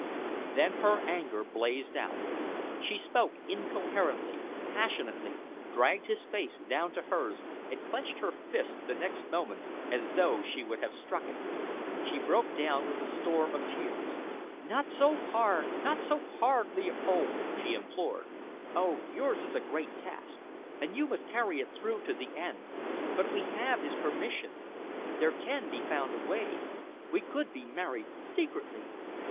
Then her anger blazed out. She spoke incoherently, passionately, dragged his face down to hers and clenched her fist the next moment as though she would have struck it. She broke down with a storm of tears. "Not so hard not so hard, Leopold!" she implored. "Oh! yours is a great task, and you must carry it through to the end, but we have his permission there can be found a way we could be married secretly.